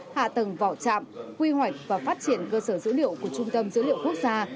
hạ tầng vỏ chạm quy hoạch và phát triển cơ sở dữ liệu của trung tâm dữ liệu quốc gia